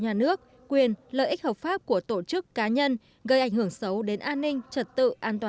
nhà nước quyền lợi ích hợp pháp của tổ chức cá nhân gây ảnh hưởng xấu đến an ninh trật tự an toàn